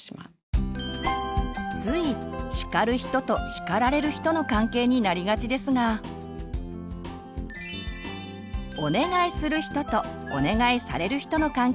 つい「叱る人」と「叱られる人」の関係になりがちですが「お願いする人」と「お願いされる人」の関係を意識して声かけをしてみる。